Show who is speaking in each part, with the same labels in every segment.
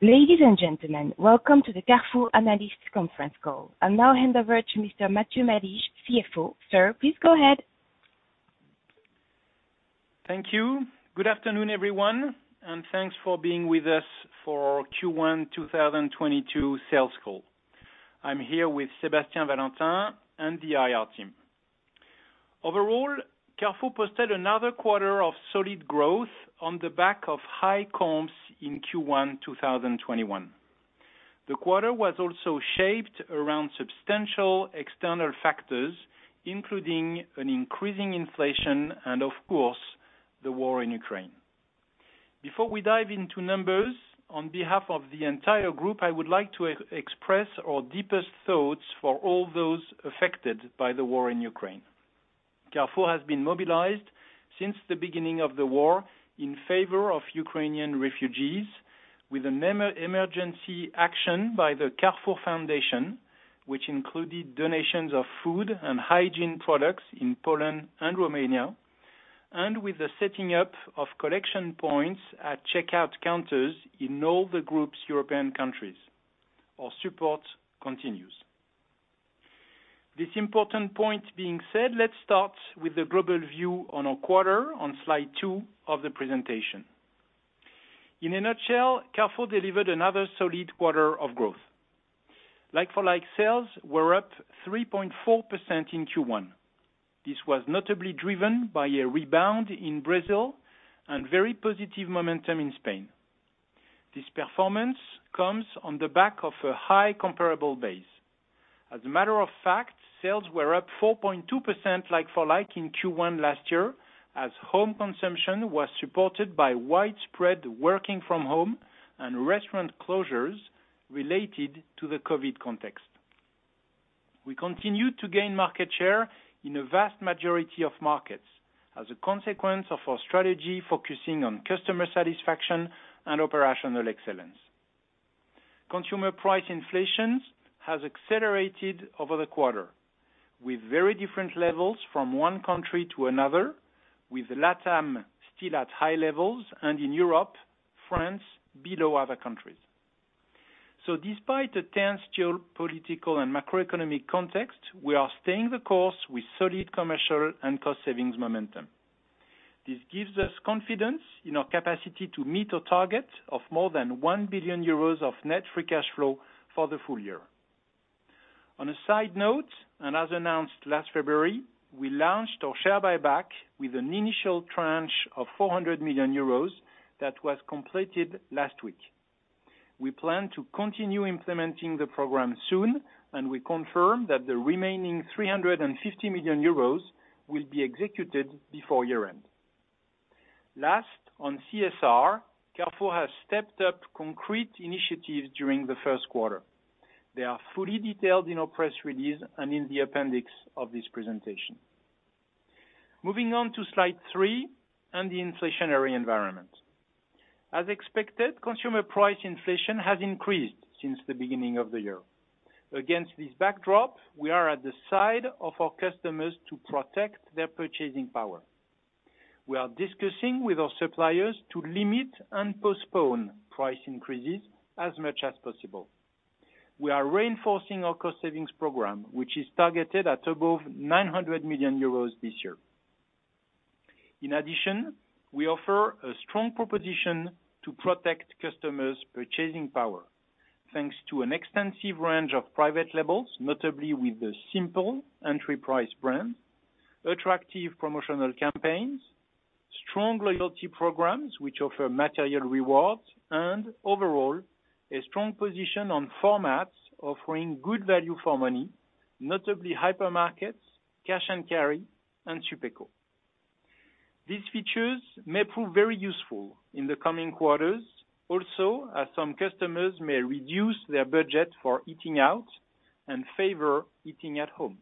Speaker 1: Ladies and gentlemen, welcome to the Carrefour Analyst Conference Call. I'll now hand over to Mr. Matthieu Malige, CFO. Sir, please go ahead.
Speaker 2: Thank you. Good afternoon, everyone, and thanks for being with us for Q1 2022 sales call. I'm here with Sébastien Valentin and the IR team. Overall, Carrefour posted another quarter of solid growth on the back of high comps in Q1 2021. The quarter was also shaped around substantial external factors, including an increasing inflation and, of course, the war in Ukraine. Before we dive into numbers, on behalf of the entire group, I would like to express our deepest thoughts for all those affected by the war in Ukraine. Carrefour has been mobilized since the beginning of the war in favor of Ukrainian refugees with an emergency action by the Carrefour Foundation, which included donations of food and hygiene products in Poland and Romania and with the setting up of collection points at checkout counters in all the group's European countries. Our support continues. This important point being said, let's start with the global view on our quarter on slide 2 of the presentation. In a nutshell, Carrefour delivered another solid quarter of growth. Like-for-like sales were up 3.4% in Q1. This was notably driven by a rebound in Brazil and very positive momentum in Spain. This performance comes on the back of a high comparable base. As a matter of fact, sales were up 4.2% like-for-like in Q1 last year, as home consumption was supported by widespread working from home and restaurant closures related to the COVID context. We continue to gain market share in a vast majority of markets as a consequence of our strategy focusing on customer satisfaction and operational excellence. Consumer price inflation has accelerated over the quarter, with very different levels from one country to another, with LATAM still at high levels, and in Europe, France below other countries. Despite the tense geopolitical and macroeconomic context, we are staying the course with solid commercial and cost savings momentum. This gives us confidence in our capacity to meet our target of more than 1 billion euros of net free cash flow for the full year. On a side note, and as announced last February, we launched our share buyback with an initial tranche of 400 million euros that was completed last week. We plan to continue implementing the program soon, and we confirm that the remaining 350 million euros will be executed before year-end. Last, on CSR, Carrefour has stepped up concrete initiatives during the first quarter. They are fully detailed in our press release and in the appendix of this presentation. Moving on to slide 3 and the inflationary environment. As expected, consumer price inflation has increased since the beginning of the year. Against this backdrop, we are at the side of our customers to protect their purchasing power. We are discussing with our suppliers to limit and postpone price increases as much as possible. We are reinforcing our cost savings program, which is targeted at above 900 million euros this year. In addition, we offer a strong proposition to protect customers' purchasing power, thanks to an extensive range of private labels, notably with the Simpl entry price brand, attractive promotional campaigns, strong loyalty programs which offer material rewards and overall, a strong position on formats offering good value for money, notably hypermarkets, cash and carry, and Supeco. These features may prove very useful in the coming quarters, also, as some customers may reduce their budget for eating out and favor eating at home.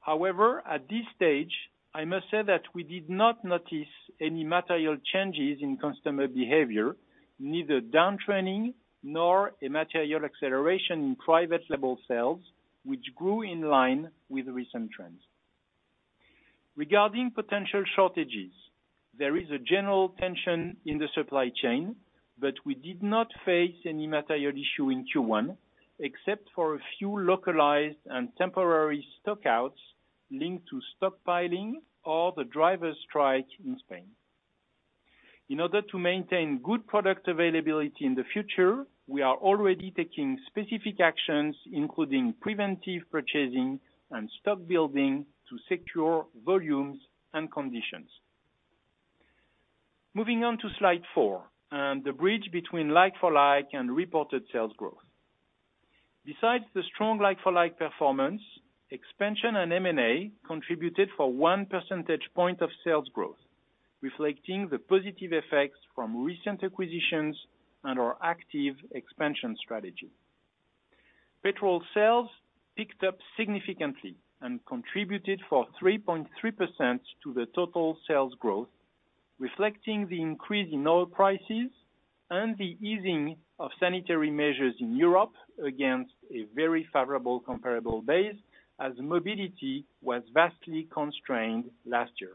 Speaker 2: However, at this stage, I must say that we did not notice any material changes in customer behavior, neither downtrading nor a material acceleration in private label sales, which grew in line with recent trends. Regarding potential shortages, there is a general tension in the supply chain, but we did not face any material issue in Q1, except for a few localized and temporary stockouts linked to stockpiling or the drivers strike in Spain. In order to maintain good product availability in the future, we are already taking specific actions, including preventive purchasing and stock building to secure volumes and conditions. Moving on to slide 4 and the bridge between like-for-like and reported sales growth. Besides the strong like-for-like performance, expansion and M&A contributed for 1 percentage point of sales growth, reflecting the positive effects from recent acquisitions and our active expansion strategy. Petrol sales picked up significantly and contributed for 3.3% to the total sales growth, reflecting the increase in oil prices and the easing of sanitary measures in Europe against a very favorable, comparable base as mobility was vastly constrained last year.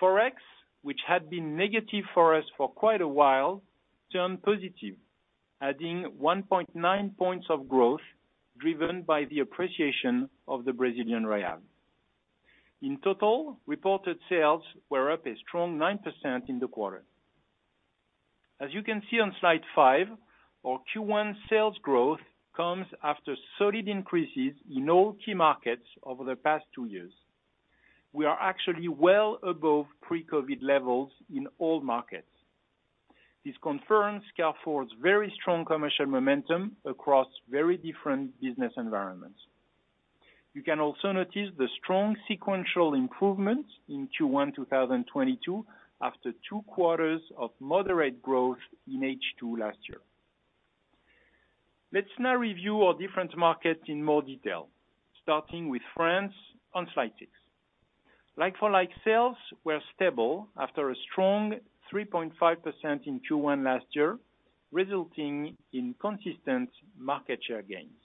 Speaker 2: Forex, which had been negative for us for quite a while, turned positive, adding 1.9 points of growth driven by the appreciation of the Brazilian real. In total, reported sales were up a strong 9% in the quarter. As you can see on slide 5, our Q1 sales growth comes after solid increases in all key markets over the past two years. We are actually well above pre-COVID levels in all markets. This confirms Carrefour's very strong commercial momentum across very different business environments. You can also notice the strong sequential improvements in Q1 2022 after two quarters of moderate growth in H2 last year. Let's now review our different markets in more detail, starting with France on slide 6. Like-for-like sales were stable after a strong 3.5% in Q1 last year, resulting in consistent market share gains.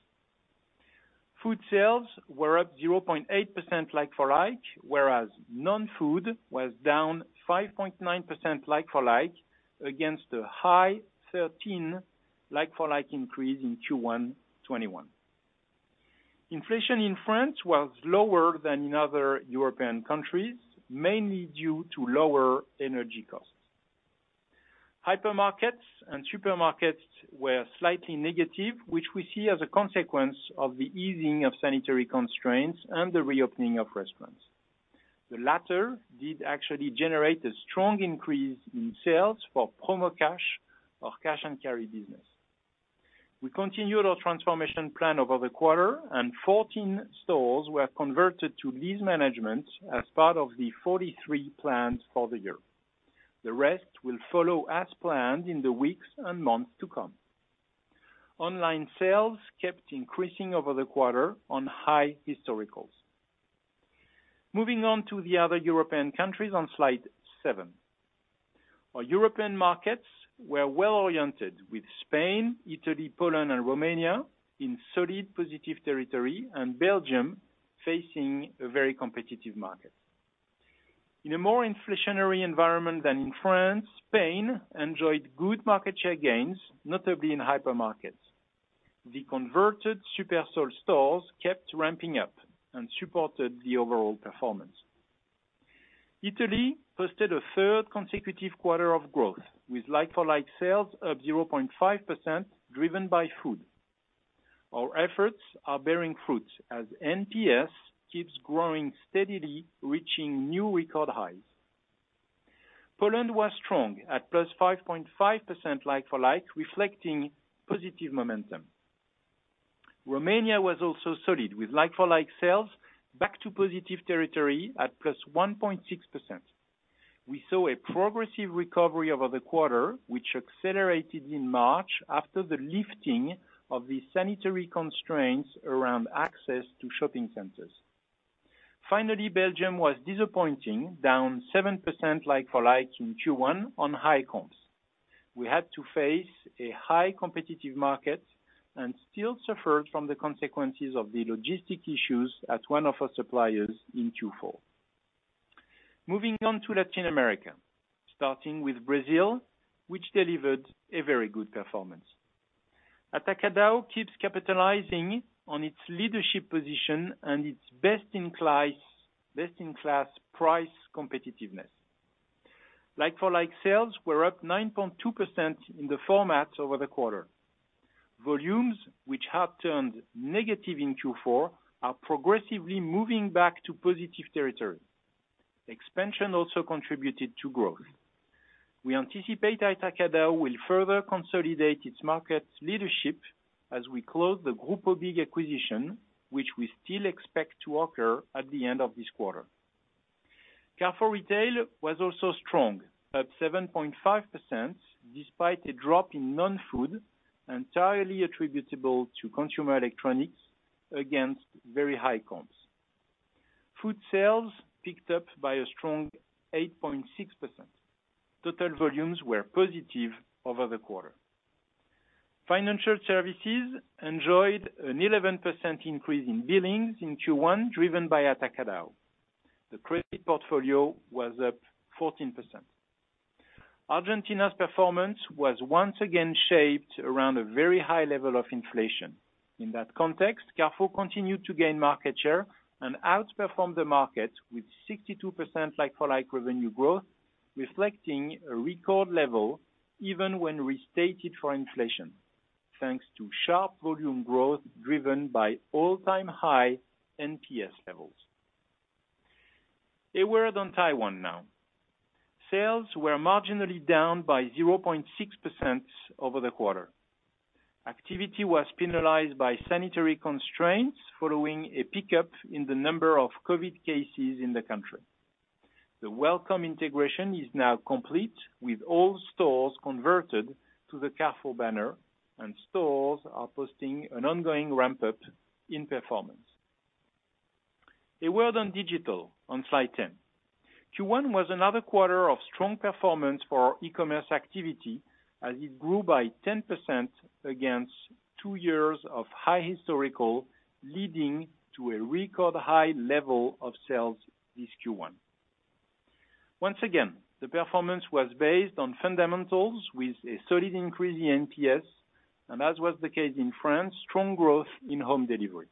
Speaker 2: Food sales were up 0.8% like-for-like, whereas non-food was down 5.9% like-for-like against a high 13% like-for-like increase in Q1 2021. Inflation in France was lower than in other European countries, mainly due to lower energy costs. Hypermarkets and supermarkets were slightly negative, which we see as a consequence of the easing of sanitary constraints and the reopening of restaurants. The latter did actually generate a strong increase in sales for Promocash, our cash and carry business. We continued our transformation plan over the quarter and 14 stores were converted to lease management as part of the 43 plans for the year. The rest will follow as planned in the weeks and months to come. Online sales kept increasing over the quarter on high historicals. Moving on to the other European countries on slide 7. Our European markets were well-oriented with Spain, Italy, Poland, and Romania in solid positive territory, and Belgium facing a very competitive market. In a more inflationary environment than in France, Spain enjoyed good market share gains, notably in hypermarkets. The converted Superstore stores kept ramping up and supported the overall performance. Italy posted a third consecutive quarter of growth with like-for-like sales of 0.5% driven by food. Our efforts are bearing fruit as NPS keeps growing steadily, reaching new record highs. Poland was strong at +5.5% like-for-like, reflecting positive momentum. Romania was also solid with like-for-like sales back to positive territory at +1.6%. We saw a progressive recovery over the quarter, which accelerated in March after the lifting of the sanitary constraints around access to shopping centers. Belgium was disappointing, down 7% like-for-like in Q1 on high comps. We had to face a high competitive market and still suffered from the consequences of the logistic issues at one of our suppliers in Q4. Moving on to Latin America, starting with Brazil, which delivered a very good performance. Atacadão keeps capitalizing on its leadership position and its best-in-class price competitiveness. Like-for-like sales were up 9.2% in the formats over the quarter. Volumes, which had turned negative in Q4, are progressively moving back to positive territory. Expansion also contributed to growth. We anticipate Atacadão will further consolidate its market leadership as we close the Grupo BIG acquisition, which we still expect to occur at the end of this quarter. Carrefour Retail was also strong at 7.5%, despite a drop in non-food entirely attributable to consumer electronics against very high comps. Food sales picked up by a strong 8.6%. Total volumes were positive over the quarter. Financial services enjoyed an 11% increase in billings in Q1, driven by Atacadão. The credit portfolio was up 14%. Argentina's performance was once again shaped around a very high level of inflation. In that context, Carrefour continued to gain market share and outperformed the market with 62% like-for-like revenue growth, reflecting a record level even when restated for inflation, thanks to sharp volume growth driven by all-time high NPS levels. A word on Taiwan now. Sales were marginally down by 0.6% over the quarter. Activity was penalized by sanitary constraints following a pickup in the number of COVID cases in the country. The Welcome integration is now complete, with all stores converted to the Carrefour banner, and stores are posting an ongoing ramp-up in performance. A word on digital on slide 10. Q1 was another quarter of strong performance for our e-commerce activity as it grew by 10% against two years of high historical leading to a record high level of sales this Q1. Once again, the performance was based on fundamentals with a solid increase in NPS, and as was the case in France, strong growth in home delivery.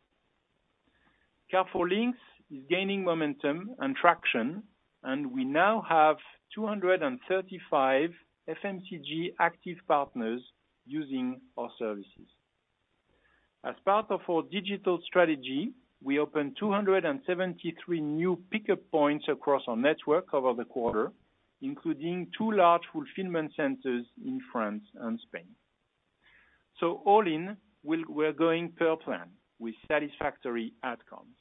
Speaker 2: Carrefour Links is gaining momentum and traction, and we now have 235 FMCG active partners using our services. As part of our digital strategy, we opened 273 new pickup points across our network over the quarter, including two large fulfillment centers in France and Spain. All in, we're going per plan with satisfactory outcomes.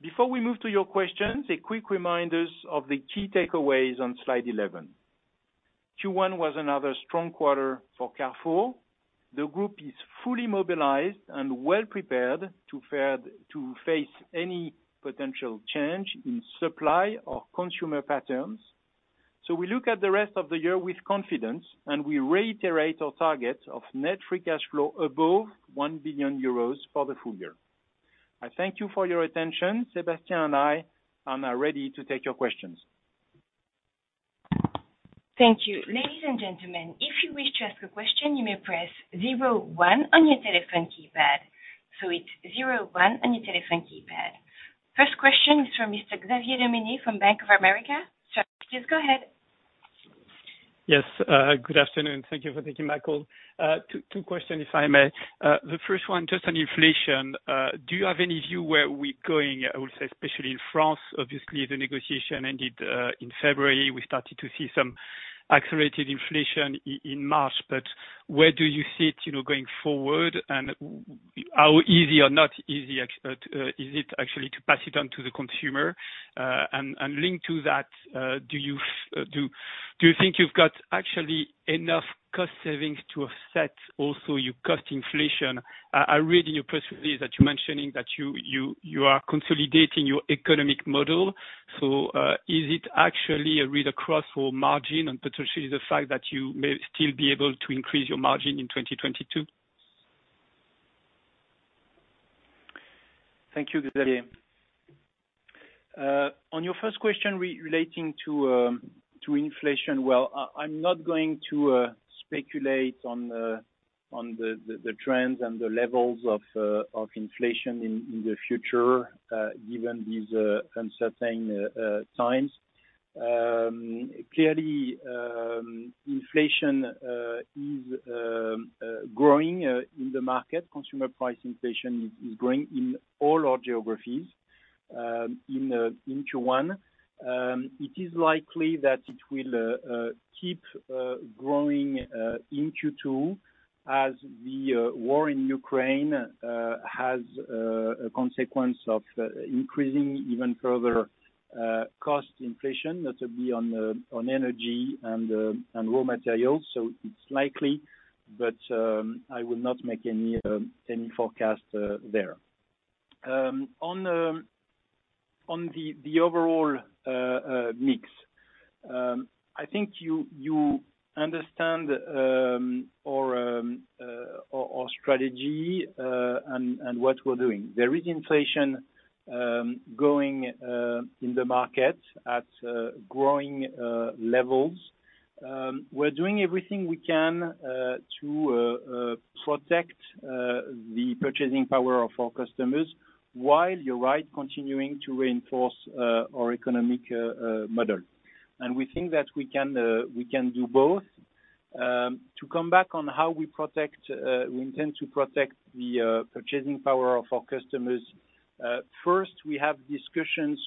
Speaker 2: Before we move to your questions, a quick reminder of the key takeaways on slide 11. Q1 was another strong quarter for Carrefour. The group is fully mobilized and well prepared to face any potential change in supply or consumer patterns. We look at the rest of the year with confidence, and we reiterate our target of net free cash flow above 1 billion euros for the full year. I thank you for your attention. Sébastien and I are now ready to take your questions.
Speaker 1: Thank you. Ladies and gentlemen, if you wish to ask a question, you may press 0 1 on your telephone keypad. It's 0 1 on your telephone keypad. First question is from Mr. Xavier Le Mené from Bank of America. Sir, please go ahead.
Speaker 3: Yes, good afternoon. Thank you for taking my call. Two questions, if I may. The first one, just on inflation, do you have any view where we're going, I would say, especially in France? Obviously, the negotiation ended in February. We started to see some accelerated inflation in March. Where do you see it, you know, going forward, and how easy or not easy is it actually to pass it on to the consumer? Linked to that, do you think you've got actually enough cost savings to offset also your cost inflation? I read in your press release that you're mentioning that you are consolidating your economic model. Is it actually a read across for margin and potentially the fact that you may still be able to increase your margin in 2022?
Speaker 2: Thank you, Xavier. On your first question relating to inflation, well, I'm not going to speculate on the trends and the levels of inflation in the future, given these uncertain times. Clearly, inflation is growing in the market. Consumer price inflation is growing in all our geographies in Q1. It is likely that it will keep growing in Q2 as the war in Ukraine has a consequence of increasing even further cost inflation that will be on energy and raw materials. It's likely, but I will not make any forecast there. On the overall mix, I think you understand our strategy and what we're doing. There is inflation going in the market at growing levels. We're doing everything we can to protect the purchasing power of our customers while, you're right, continuing to reinforce our economic model. We think that we can do both. To come back on how we protect, we intend to protect the purchasing power of our customers, first, we have discussions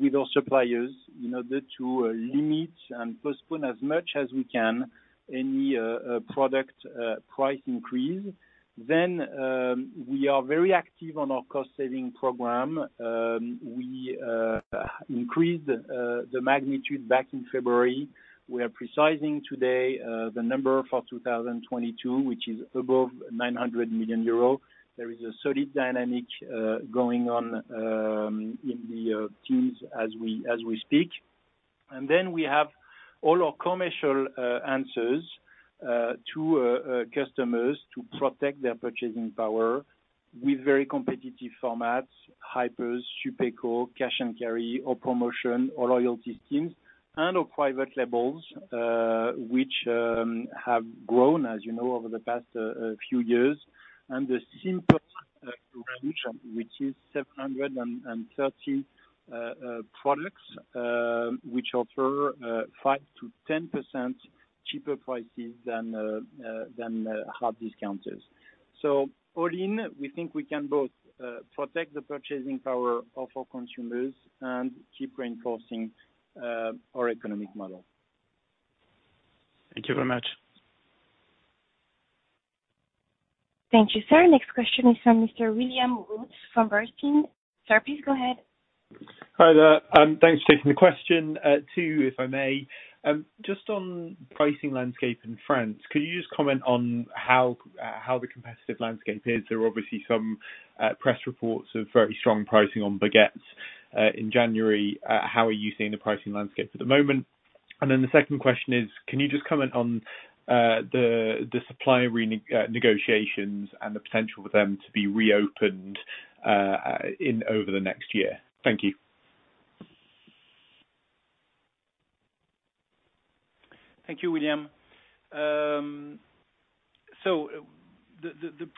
Speaker 2: with our suppliers in order to limit and postpone as much as we can any product price increase. We are very active on our cost saving program. We increased the magnitude back in February. We are specifying today the number for 2022, which is above 900 million euro. There is a solid dynamic going on in the teams as we speak. We have all our commercial answers to customers to protect their purchasing power with very competitive formats, hypers, Supeco, cash and carry or promotion or loyalty schemes and our private labels, which have grown, as you know, over the past few years. The Simpl price reduction, which is 730 products, which offer 5%-10% cheaper prices than hard discounters. All in, we think we can both protect the purchasing power of our consumers and keep reinforcing our economic model.
Speaker 3: Thank you very much.
Speaker 1: Thank you, sir. Next question is from Mr. William Woods from Bernstein. Sir, please go ahead.
Speaker 4: Hi there. Thanks for taking the question. Two, if I may. Just on pricing landscape in France, could you just comment on how the competitive landscape is? There are obviously some press reports of very strong pricing on baguettes in January. How are you seeing the pricing landscape at the moment? The second question is, can you just comment on the supply renegotiations and the potential for them to be reopened in or over the next year? Thank you.
Speaker 2: Thank you, William. The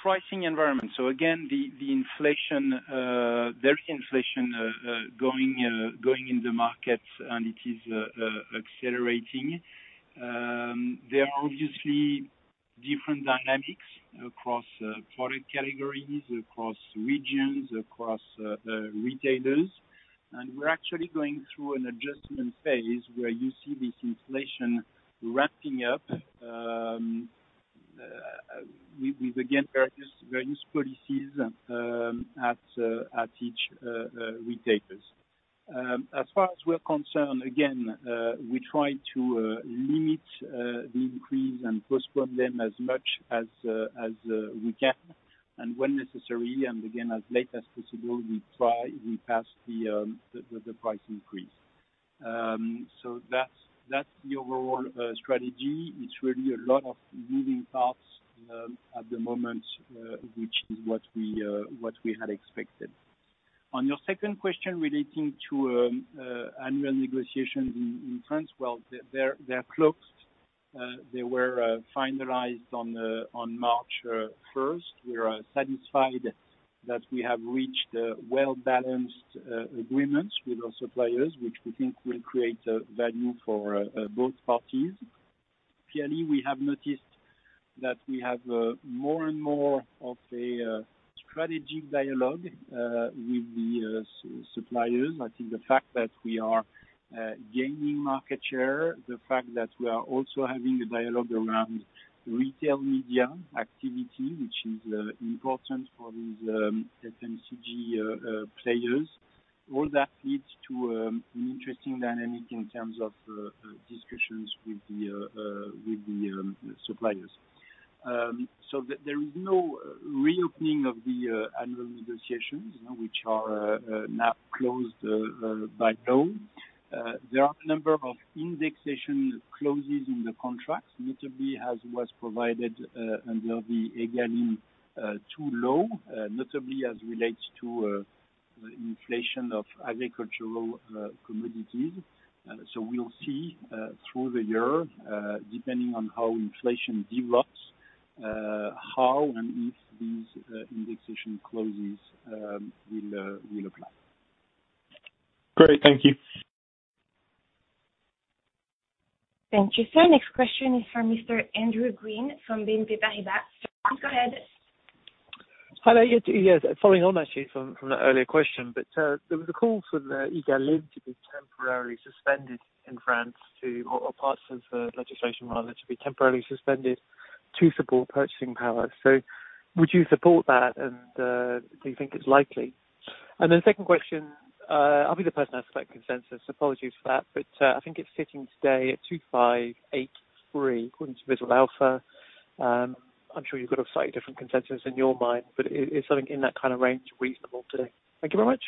Speaker 2: pricing environment. Again, there is inflation going in the markets and it is accelerating. There are obviously different dynamics across product categories, across regions, across retailers. We're actually going through an adjustment phase where you see this inflation ramping up with various policies at each retailers. As far as we're concerned, we try to limit the increase and postpone them as much as we can. When necessary, again, as late as possible, we pass the price increase. That's the overall strategy. It's really a lot of moving parts at the moment, which is what we had expected. On your second question relating to annual negotiations in France, well, they're closed. They were finalized on March 1st. We are satisfied that we have reached well-balanced agreements with our suppliers, which we think will create value for both parties. Clearly, we have noticed that we have more and more of a strategic dialogue with the suppliers. I think the fact that we are gaining market share, the fact that we are also having a dialogue around retail media activity, which is important for these FMCG players, all that leads to an interesting dynamic in terms of discussions with the suppliers. There is no reopening of the annual negotiations, you know, which are now closed by law. There are a number of indexation clauses in the contracts, notably as was provided under the EGalim 2 law, notably as relates to inflation of agricultural commodities. We'll see through the year, depending on how inflation develops, how and if these indexation clauses will apply.
Speaker 4: Great. Thank you.
Speaker 1: Thank you, sir. Next question is from Mr. Andrew Gwynn from BNP Paribas. Sir, please go ahead.
Speaker 5: Hi there. Yes, following on actually from that earlier question, but there was a call for the EGalim to be temporarily suspended in France, or parts of legislation rather, to be temporarily suspended to support purchasing power. Would you support that and do you think it's likely? Then second question, I'll be the person asking about consensus. Apologies for that, but I think it's sitting today at 2,583 according to Visible Alpha. I'm sure you've got a slightly different consensus in your mind, but is something in that kind of range reasonable today? Thank you very much.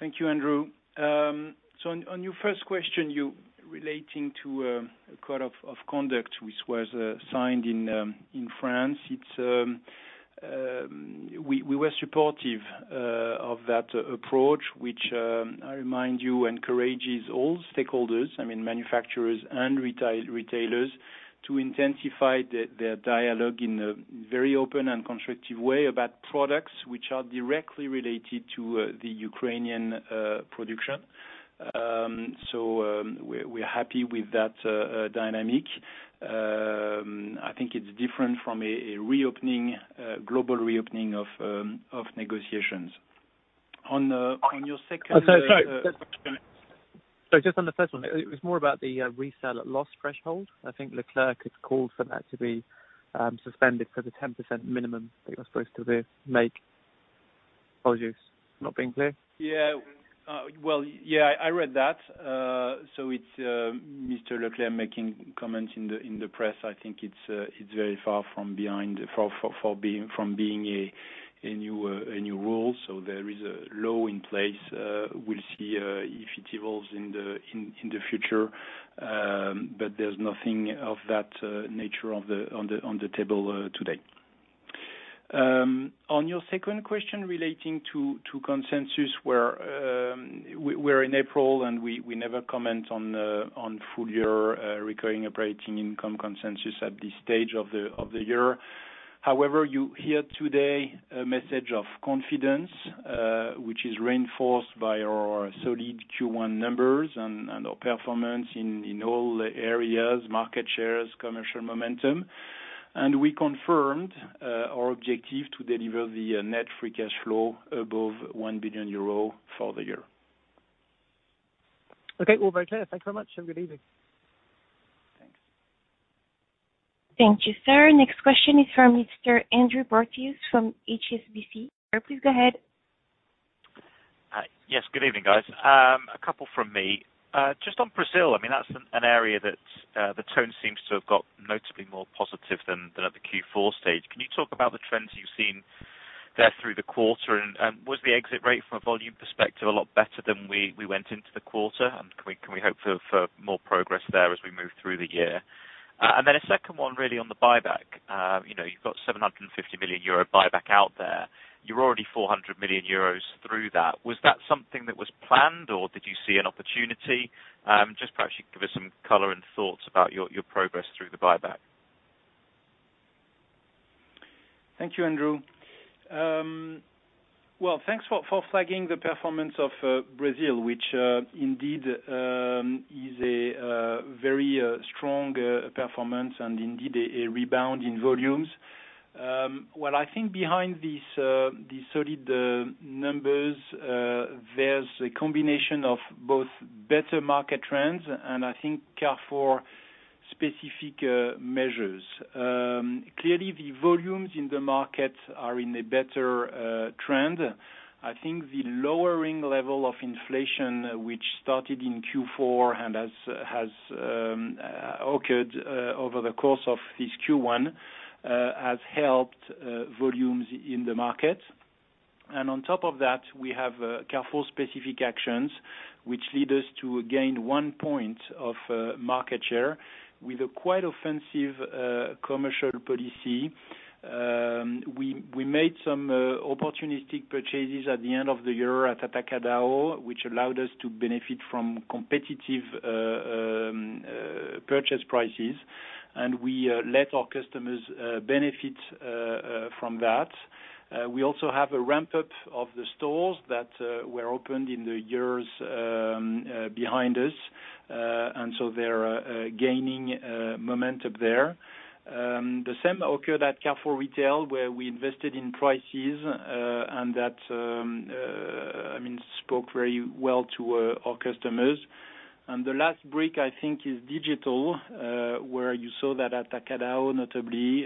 Speaker 2: Thank you, Andrew. On your first question regarding a code of conduct which was signed in France, we were supportive of that approach, which I remind you encourages all stakeholders, I mean, manufacturers and retailers, to intensify the dialogue in a very open and constructive way about products which are directly related to the Ukrainian production. We're happy with that dynamic. I think it's different from a global reopening of negotiations. On your second-
Speaker 5: Sorry. Just on the first one, it was more about the resale at loss threshold. I think Leclerc had called for that to be suspended for the 10% minimum that you're supposed to maintain. Apologies for not being clear.
Speaker 2: Well, I read that. It's Mr. E.Leclerc making comments in the press. I think it's very far from being a new rule. There is a law in place. We'll see if it evolves in the future. There's nothing of that nature on the table today. On your second question relating to consensus, we're in April, and we never comment on full year recurring operating income consensus at this stage of the year. However, you hear today a message of confidence, which is reinforced by our solid Q1 numbers and our performance in all areas, market shares, commercial momentum. We confirmed our objective to deliver the net free cash flow above 1 billion euro for the year.
Speaker 5: Okay. All very clear. Thank you very much, and good evening.
Speaker 2: Thanks.
Speaker 1: Thank you, sir. Next question is from Mr. Andrew Porteous from HSBC. Sir, please go ahead.
Speaker 6: Hi. Yes, good evening, guys. A couple from me. Just on Brazil, I mean, that's an area that the tone seems to have got notably more positive than at the Q4 stage. Can you talk about the trends you've seen there through the quarter and was the exit rate from a volume perspective a lot better than we went into the quarter and can we hope for more progress there as we move through the year? And then a second one really on the buyback. You know, you've got 750 million euro buyback out there. You're already 400 million euros through that. Was that something that was planned or did you see an opportunity? Just perhaps you could give us some color and thoughts about your progress through the buyback.
Speaker 2: Thank you, Andrew. Well, thanks for flagging the performance of Brazil, which indeed is a very strong performance and indeed a rebound in volumes. Well, I think behind these solid numbers, there's a combination of both better market trends and I think Carrefour-specific measures. Clearly the volumes in the market are in a better trend. I think the lower level of inflation which started in Q4 and has occurred over the course of this Q1 has helped volumes in the market. On top of that, we have Carrefour-specific actions which lead us to gain one point of market share with a quite offensive commercial policy. We made some opportunistic purchases at the end of the year at Atacadão, which allowed us to benefit from competitive purchase prices, and we let our customers benefit from that. We also have a ramp-up of the stores that were opened in the years behind us. They're gaining momentum there. The same occurred at Carrefour Retail, where we invested in prices, and that, I mean, spoke very well to our customers. The last break, I think, is digital, where you saw that Atacadão notably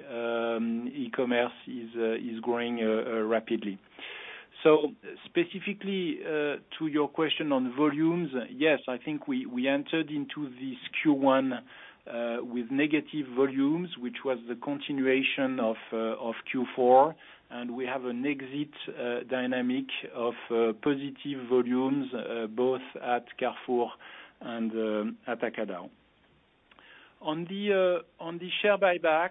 Speaker 2: e-commerce is growing rapidly. Specifically, to your question on volumes, yes, I think we entered into this Q1 with negative volumes, which was the continuation of Q4, and we have an exit dynamic of positive volumes both at Carrefour and Atacadão. On the share buyback,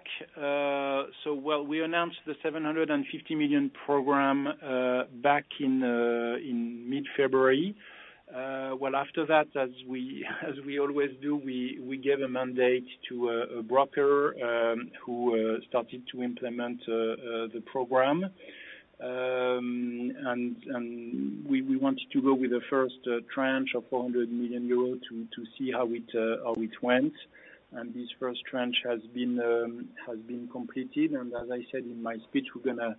Speaker 2: well, we announced the 750 million program back in mid-February. Well, after that, as we always do, we gave a mandate to a broker who started to implement the program. And we wanted to go with the first tranche of 400 million euros to see how it went, and this first tranche has been completed. As I said in my speech, we're gonna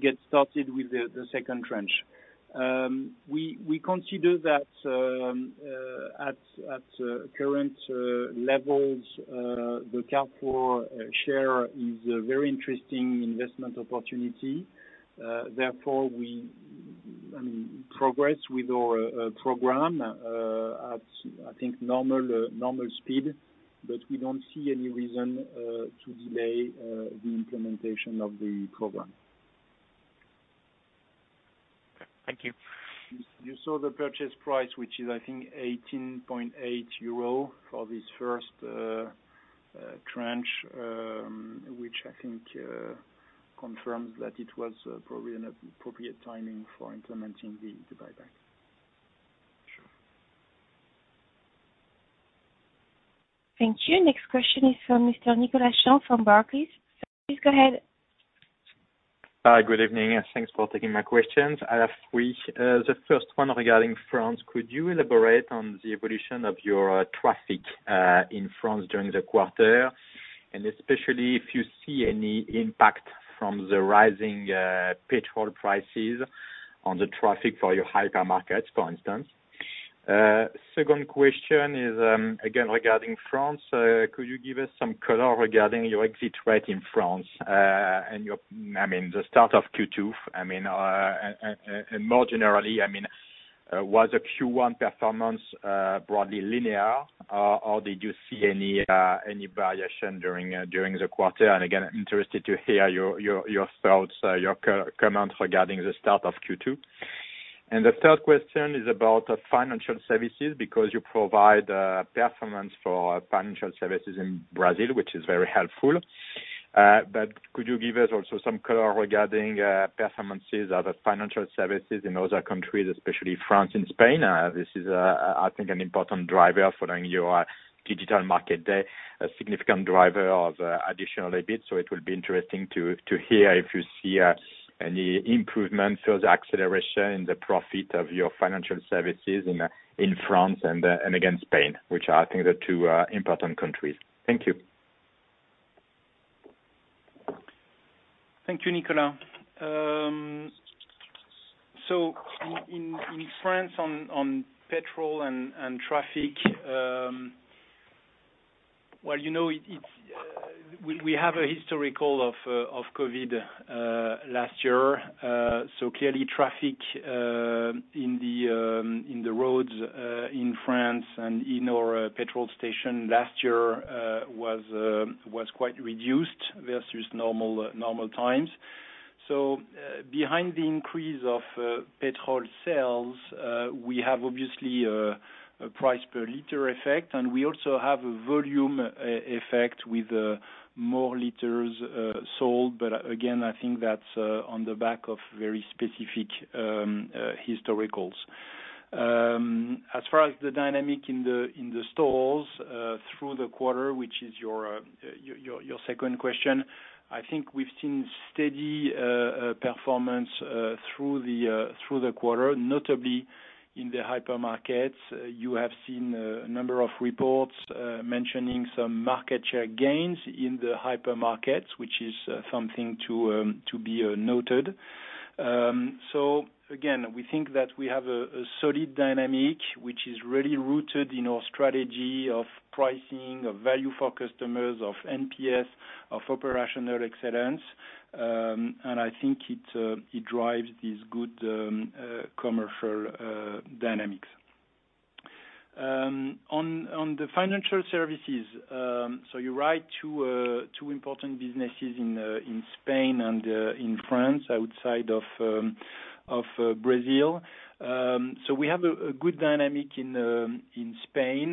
Speaker 2: get started with the second tranche. We consider that at current levels the Carrefour share is a very interesting investment opportunity. Therefore, we, I mean, progress with our program at, I think, normal speed, but we don't see any reason to delay the implementation of the program.
Speaker 6: Thank you.
Speaker 2: You saw the purchase price, which is, I think 18.8 euro for this first tranche, which I think confirms that it was probably an appropriate timing for implementing the buyback.
Speaker 6: Sure.
Speaker 1: Thank you. Next question is from Mr. Nicolas Champ from Barclays. Please go ahead.
Speaker 7: Hi. Good evening, and thanks for taking my questions. I have three. The first one regarding France, could you elaborate on the evolution of your traffic in France during the quarter, and especially if you see any impact from the rising petrol prices on the traffic for your hypermarkets, for instance. Second question is, again, regarding France, could you give us some color regarding your exit rate in France, and your I mean, the start of Q2? I mean, and more generally, I mean, was the Q1 performance broadly linear, or did you see any any variation during during the quarter? Again, interested to hear your your your thoughts, your comments regarding the start of Q2. The third question is about financial services because you provide performance for financial services in Brazil, which is very helpful. Could you give us also some color regarding performances of the financial services in other countries, especially France and Spain? This is, I think an important driver following your digital market day, a significant driver of additional EBITDA, so it will be interesting to hear if you see any improvement or the acceleration in the profit of your financial services in France and again, Spain, which I think are two important countries. Thank you.
Speaker 2: Thank you, Nicolas. In France, on petrol and traffic, well, you know, we have a history of COVID last year. Clearly traffic in the roads in France and in our petrol station last year was quite reduced versus normal times. Behind the increase of petrol sales, we have obviously a price per liter effect, and we also have a volume effect with more liters sold. Again, I think that's on the back of very specific historicals. As far as the dynamic in the stores through the quarter, which is your second question, I think we've seen steady performance through the quarter, notably in the hypermarkets. You have seen a number of reports mentioning some market share gains in the hypermarkets, which is something to be noted. Again, we think that we have a solid dynamic, which is really rooted in our strategy of pricing, of value for customers, of NPS, of operational excellence, and I think it drives these good commercial dynamics. On the financial services, you're right, two important businesses in Spain and in France outside of Brazil. We have a good dynamic in Spain,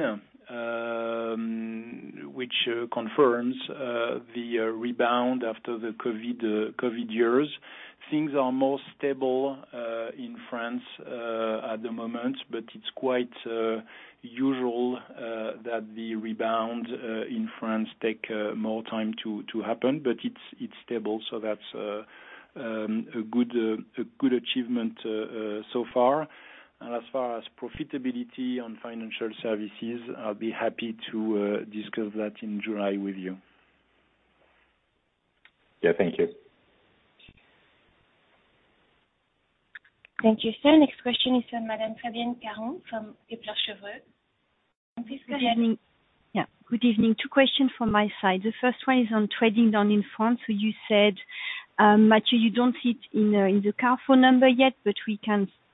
Speaker 2: which confirms the rebound after the COVID years. Things are more stable in France at the moment, but it's quite usual that the rebound in France take more time to happen. It's stable, so that's a good achievement so far. As far as profitability on financial services, I'll be happy to discuss that in July with you.
Speaker 7: Thank you.
Speaker 1: Thank you, sir. Next question is from Madame Fabienne Caron from Degroof Petercam. Please go ahead.
Speaker 8: Good evening. Yeah, good evening. Two questions from my side. The first one is on trading down in France, where you said, Matthieu, you don't see it in the Carrefour number yet, but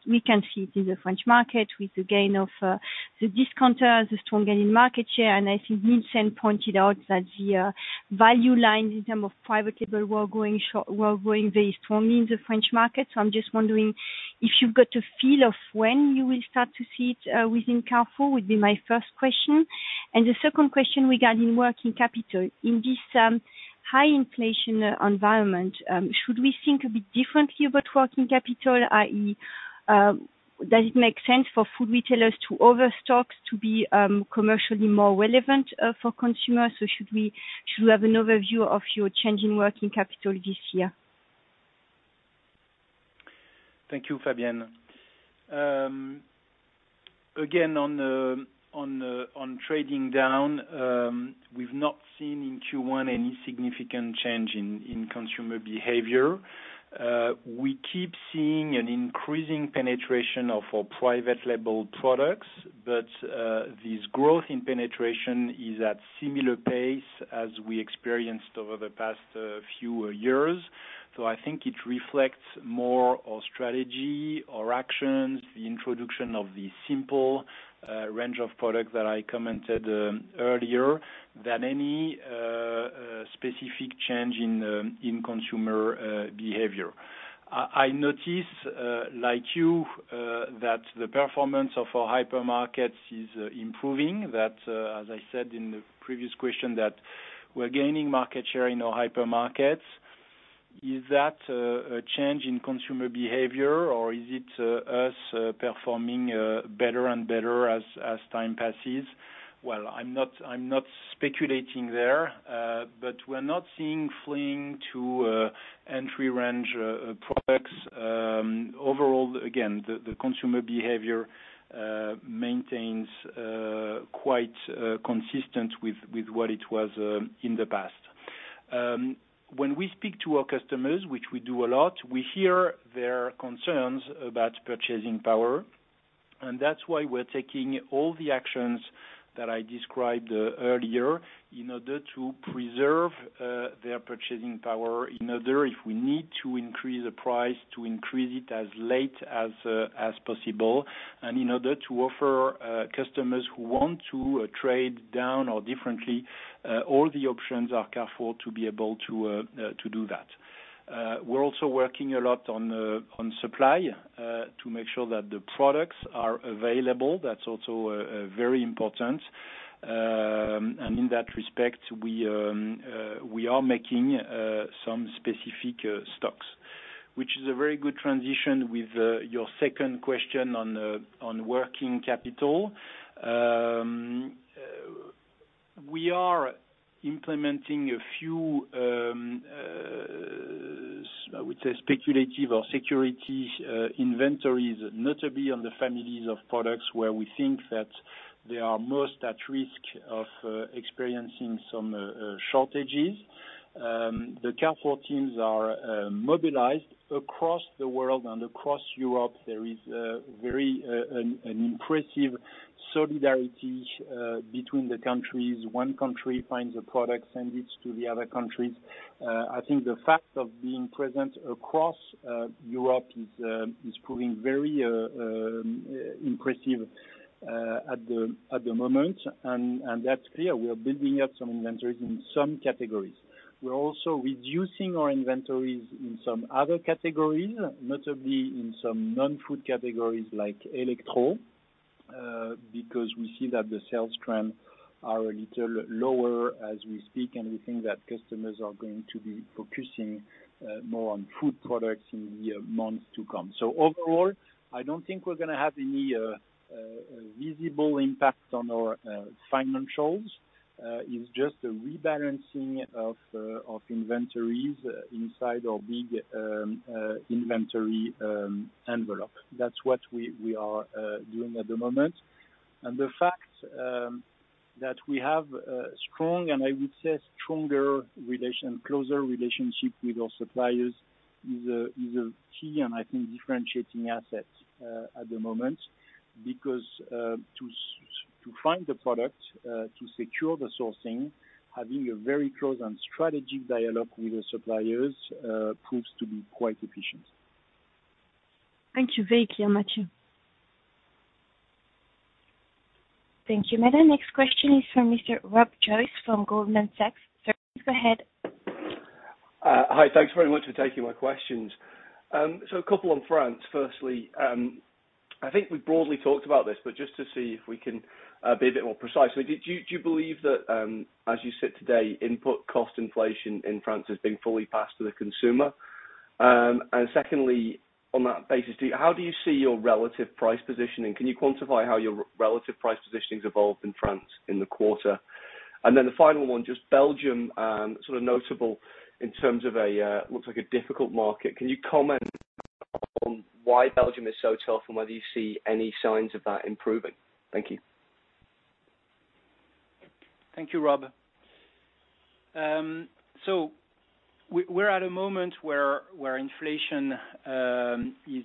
Speaker 8: we can see it in the French market with the gain of the discounter, the strong gain in market share. I think Nielsen pointed out that the value lines in terms of private label were going very strongly in the French market. I'm just wondering if you've got a feel of when you will start to see it within Carrefour. That would be my first question. The second question regarding working capital. In this high inflation environment, should we think a bit differently about working capital, i.e., does it make sense for food retailers to overstock to be commercially more relevant for consumers? Should we have an overview of your change in working capital this year?
Speaker 2: Thank you, Fabienne. Again, on the trading down, we've not seen in Q1 any significant change in consumer behavior. We keep seeing an increasing penetration of our private label products, but this growth in penetration is at similar pace as we experienced over the past few years. I think it reflects more our strategy, our actions, the introduction of the Simpl range of products that I commented earlier, than any specific change in consumer behavior. I notice, like you, that the performance of our hypermarkets is improving. That, as I said in the previous question, we're gaining market share in our hypermarkets. Is that a change in consumer behavior or is it us performing better and better as time passes? Well, I'm not speculating there, but we're not seeing fleeing to entry range products. Overall, again, the consumer behavior maintains quite consistent with what it was in the past. When we speak to our customers, which we do a lot, we hear their concerns about purchasing power, and that's why we're taking all the actions that I described earlier in order to preserve their purchasing power, in order, if we need to increase the price, to increase it as late as possible. In order to offer customers who want to trade down or differently all the options at Carrefour to be able to do that. We're also working a lot on supply to make sure that the products are available. That's also very important. In that respect, we are making some specific stocks, which is a very good transition with your second question on working capital. We are implementing a few I would say speculative or security inventories, notably on the families of products where we think that they are most at risk of experiencing some shortages. The Carrefour teams are mobilized across the world and across Europe. There is a very impressive solidarity between the countries. One country finds a product, sends it to the other countries. I think the fact of being present across Europe is proving very impressive at the moment. That's clear. We are building up some inventories in some categories. We're also reducing our inventories in some other categories, notably in some non-food categories like electro, because we see that the sales trend are a little lower as we speak, and we think that customers are going to be focusing more on food products in the months to come. Overall, I don't think we're gonna have any visible impact on our financials. It's just a rebalancing of inventories inside our big inventory envelope. That's what we are doing at the moment. The fact that we have a strong, and I would say stronger relation, closer relationship with our suppliers is a key and, I think, differentiating asset at the moment because to find the product, to secure the sourcing, having a very close and strategic dialogue with our suppliers proves to be quite efficient.
Speaker 8: Thank you. Very clear, Matthieu.
Speaker 1: Thank you, madam. Next question is from Mr. Rob Joyce from Goldman Sachs. Sir, go ahead.
Speaker 9: Hi. Thanks very much for taking my questions. So a couple on France. Firstly, I think we broadly talked about this, but just to see if we can be a bit more precise. Do you believe that, as you sit today, input cost inflation in France has been fully passed to the consumer? And secondly, on that basis, how do you see your relative price positioning? Can you quantify how your relative price positioning's evolved in France in the quarter? And then the final one, just Belgium, sort of notable in terms of a looks like a difficult market. Can you comment on why Belgium is so tough and whether you see any signs of that improving? Thank you.
Speaker 2: Thank you, Rob. We're at a moment where inflation is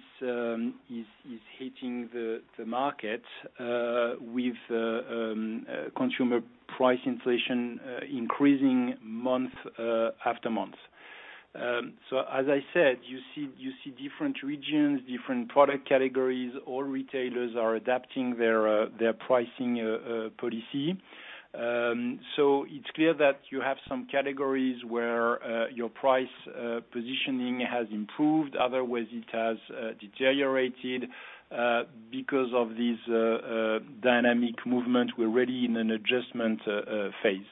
Speaker 2: hitting the market with consumer price inflation increasing month after month. As I said, you see different regions, different product categories. All retailers are adapting their pricing policy. It's clear that you have some categories where your price positioning has improved, other ways it has deteriorated because of this dynamic movement. We're already in an adjustment phase.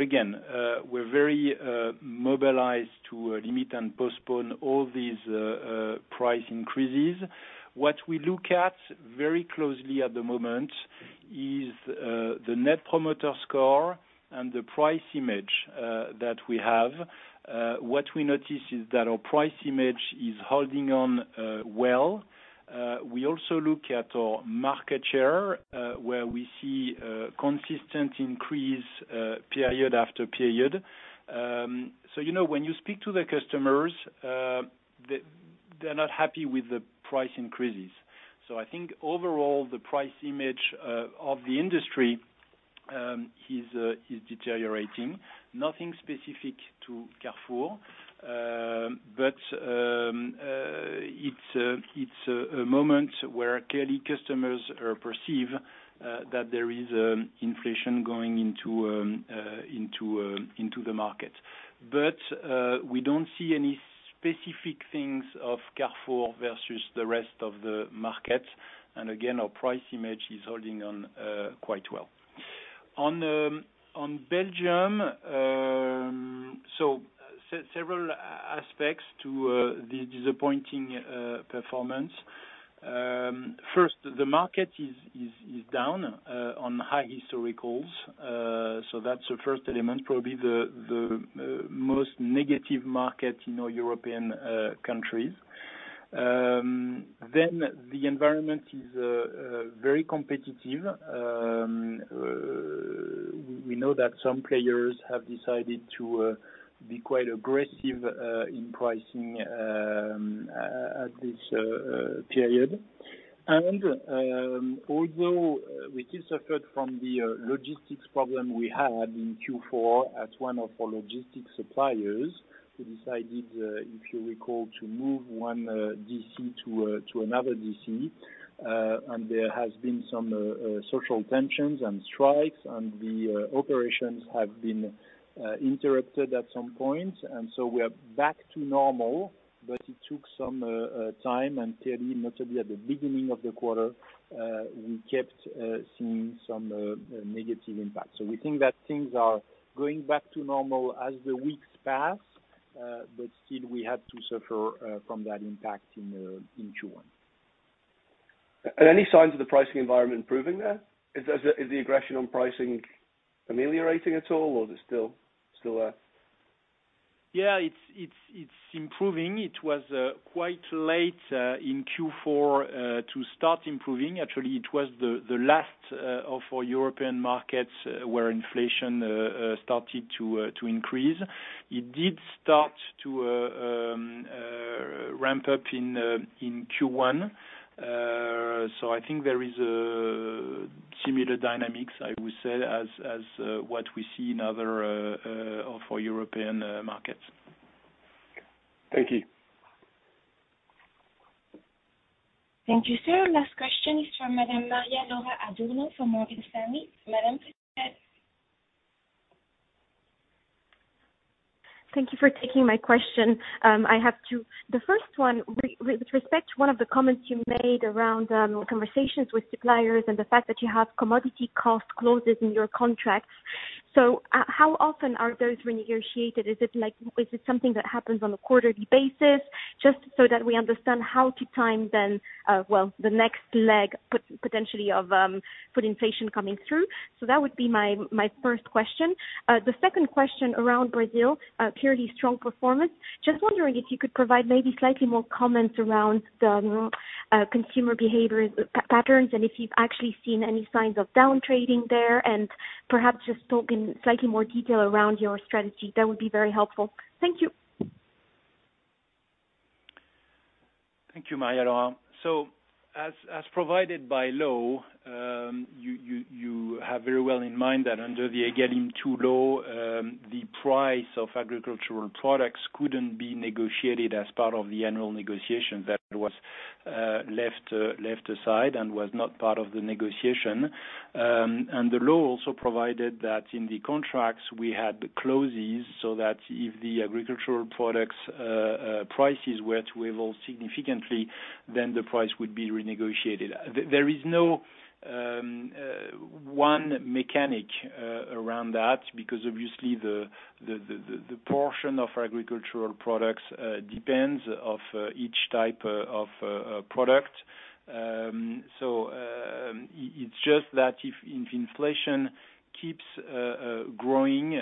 Speaker 2: Again, we're very mobilized to limit and postpone all these price increases. What we look at very closely at the moment is the net promoter score and the price image that we have. What we notice is that our price image is holding on well. We also look at our market share, where we see a consistent increase period after period. You know, when you speak to the customers, they're not happy with the price increases. I think overall, the price image of the industry is deteriorating. Nothing specific to Carrefour, it's a moment where clearly customers perceive that there is inflation going into the market. We don't see any specific things of Carrefour versus the rest of the market. Our price image is holding on quite well. On Belgium, several aspects to the disappointing performance. First, the market is down on high historicals, so that's the first element. Probably the most negative market in all European countries. The environment is very competitive. We know that some players have decided to be quite aggressive in pricing at this period. Although we still suffered from the logistics problem we had in Q4 at one of our logistics suppliers, who decided, if you recall, to move one DC to another DC, and there has been some social tensions and strikes, and the operations have been interrupted at some point. We are back to normal, but it took some time, and clearly, notably at the beginning of the quarter, we kept seeing some negative impacts. We think that things are going back to normal as the weeks pass, but still we had to suffer from that impact in Q1.
Speaker 9: Are there any signs of the pricing environment improving there? Is the aggression on pricing ameliorating at all, or is it still there?
Speaker 2: Yeah, it's improving. It was quite late in Q4 to start improving. Actually, it was the last of our European markets where inflation started to increase. It did start to ramp up in Q1. I think there is a similar dynamics, I would say, as what we see in other European markets.
Speaker 9: Thank you.
Speaker 1: Thank you, sir. Last question is from Madam Maria-Laura Roldan from Morgan Stanley. Madam, please go ahead.
Speaker 10: Thank you for taking my question. I have two. The first one, with respect to one of the comments you made around conversations with suppliers and the fact that you have commodity cost clauses in your contracts. How often are those renegotiated? Is it something that happens on a quarterly basis? Just so that we understand how to time then, well, the next leg potentially of food inflation coming through. That would be my first question. The second question around Brazil, purely strong performance. Just wondering if you could provide maybe slightly more comments around the consumer behavior patterns and if you've actually seen any signs of down trading there, and perhaps just talk in slightly more detail around your strategy. That would be very helpful. Thank you.
Speaker 2: Thank you, Maria-Laura Roldan. As provided by law, you have very well in mind that under the EGalim 2 law, the price of agricultural products couldn't be negotiated as part of the annual negotiation. That was left aside and was not part of the negotiation. The law also provided that in the contracts we had the clauses so that if the agricultural products prices were to evolve significantly, then the price would be renegotiated. There is no one mechanism around that because obviously the portion of agricultural products depends on each type of product. It's just that if inflation keeps growing,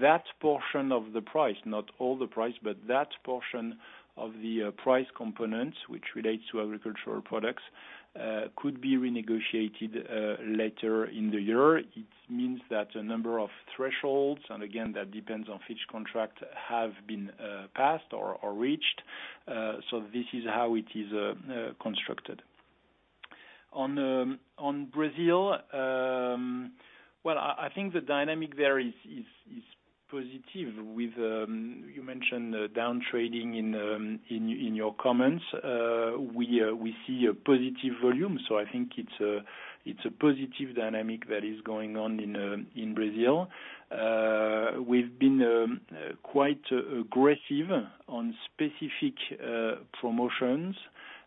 Speaker 2: that portion of the price, not all the price, but that portion of the price component which relates to agricultural products, could be renegotiated later in the year. It means that a number of thresholds, and again that depends on which contract, have been passed or reached. This is how it is constructed. On Brazil, well, I think the dynamic there is positive. You mentioned down trading in your comments. We see a positive volume, so I think it's a positive dynamic that is going on in Brazil. We've been quite aggressive on specific promotions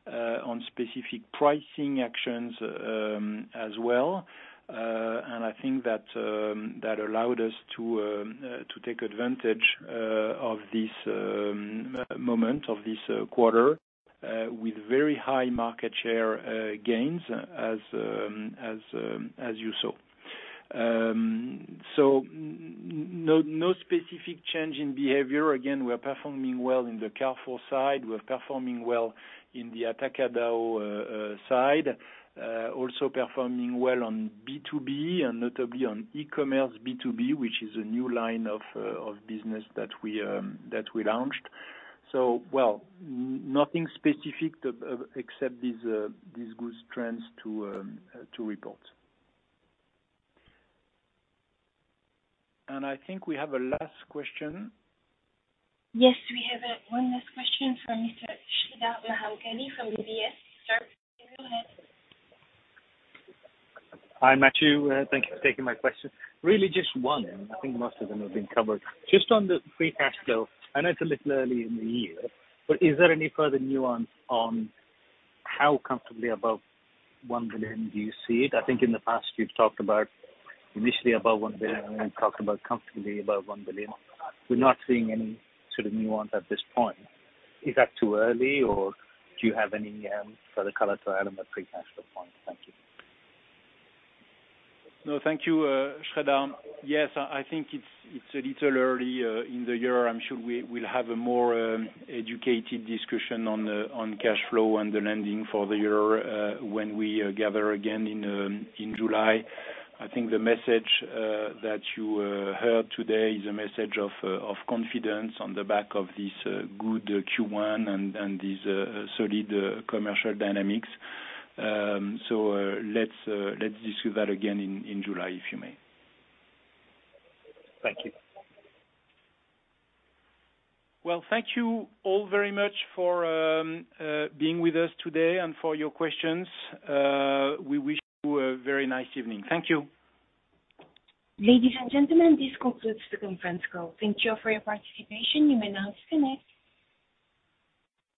Speaker 2: on specific pricing actions as well. I think that allowed us to take advantage of this moment of this quarter with very high market share gains as you saw. No specific change in behavior. Again, we're performing well in the Carrefour side. We're performing well in the Atacadão side. Also performing well on B2B and notably on e-commerce B2B, which is a new line of business that we launched. Well, nothing specific except these good trends to report. I think we have a last question.
Speaker 1: Yes, we have, one last question from Mr. Sreedhar Mahamkali from UBS. Sir, go ahead.
Speaker 11: Hi, Matthieu. Thank you for taking my question. Really just one, I think most of them have been covered. Just on the free cash flow, I know it's a little early in the year, but is there any further nuance on how comfortably above 1 billion do you see it? I think in the past you've talked about initially above 1 billion and then talked about comfortably above 1 billion. We're not seeing any sort of nuance at this point. Is that too early, or do you have any further color to add on the free cash flow point? Thank you.
Speaker 2: No, thank you, Sreedhar. Yes, I think it's a little early in the year. I'm sure we'll have a more educated discussion on cash flow and the spending for the year when we gather again in July. I think the message that you heard today is a message of confidence on the back of this good Q1 and these solid commercial dynamics. Let's discuss that again in July, if you may.
Speaker 11: Thank you.
Speaker 2: Well, thank you all very much for being with us today and for your questions. We wish you a very nice evening. Thank you.
Speaker 1: Ladies and gentlemen, this concludes the conference call. Thank you for your participation. You may now disconnect.